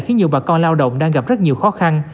khiến nhiều bà con lao động đang gặp rất nhiều khó khăn